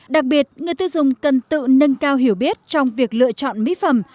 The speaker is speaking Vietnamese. đặc biệt người tiêu dùng cần tự nâng cao hiểu biết trong việc lựa chọn mỹ phẩm